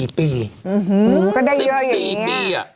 อื้อฮืออย่างนี้น่ะอื้อฮือ๑๔ปี